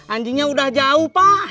anjingnya udah jauh pak